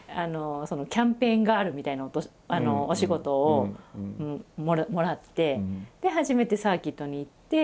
キャンペーンガールみたいなお仕事をもらってで初めてサーキットに行って。